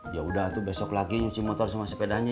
yaudah tuh besok lagi cuci motor sama sepedanya ya